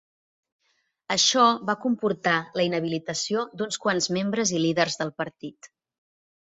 Això va comportar la inhabilitació d'uns quants membres i líders del partit.